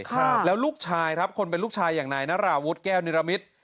ครับแล้วลูกชายครับคนเป็นลูกชายอย่างนายนาราวุฒิแก้วนิรมิตร